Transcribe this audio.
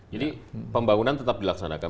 jadi pembangunan tetap dilaksanakan